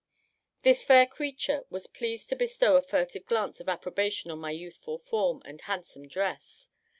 This fair creature was pleased to bestow a furtive glance of approbation on my youthful form and handsome dress.